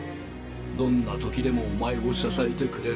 どんな時でもお前を支えてくれる。